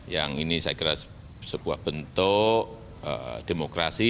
yang ini saya kira sebuah bentuk demokrasi